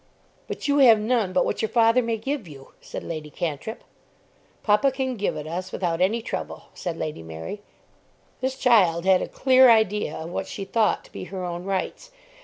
"But you have none but what your father may give you," said Lady Cantrip. "Papa can give it us without any trouble," said Lady Mary. This child had a clear idea of what she thought to be her own rights.